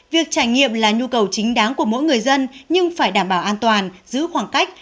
việc trải nghiệm là nhu cầu chính đáng của mỗi người dân nhưng phải đảm bảo an toàn giữ khoảng cách